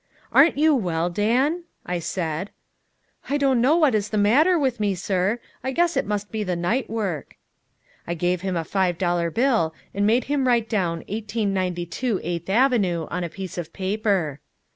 "Aren't you well, Dan?" I said. "I don't know what's the matter with me, sir. I guess it must be the night work." I gave him a five dollar bill and made him write down 1892 Eighth Avenue on a piece of paper.